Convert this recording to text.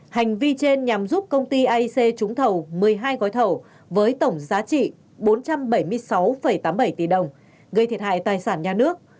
hành vi trên nhằm giúp công ty aic trúng thầu một mươi hai gói thầu với tổng giá trị bốn trăm bảy mươi sáu tám mươi bảy tỷ đồng gây thiệt hại tài sản nhà nước